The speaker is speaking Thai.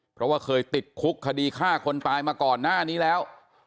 เพราะว่าเคยติดคุกคดีฆ่าคนตายมาก่อนหน้านี้แล้ว